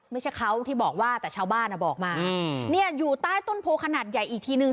ไม่ใช่เขาที่บอกว่าแต่ชาวบ้านอ่ะบอกมาเนี่ยอยู่ใต้ต้นโพขนาดใหญ่อีกทีนึง